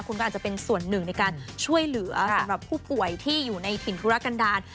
คุณก็อาจจะเป็นส่วนหนึ่งในการช่วยเหลือสำหรับผู้ป่วยที่อยู่ในถิ่นธุรกันดาล